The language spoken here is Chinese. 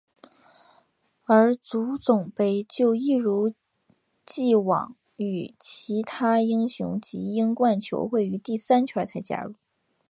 而足总杯就一如已往与其他英超及英冠球会于第三圈才加入。